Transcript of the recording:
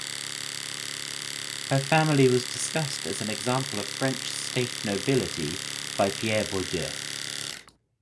Her family was discussed as an example of French "state nobility" by Pierre Bourdieu.